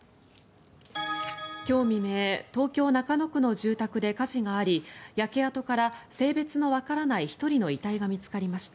今日未明東京・中野区の住宅で火事があり焼け跡から性別のわからない１人の遺体が見つかりました。